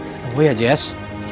tunggu ya jess